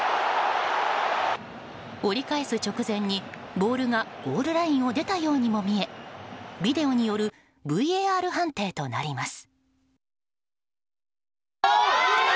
折り返す直前に、ボールがゴールラインを出たようにも見えビデオによるＶＡＲ判定となります。